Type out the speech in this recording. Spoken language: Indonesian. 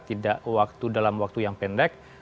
tidak waktu dalam waktu yang pendek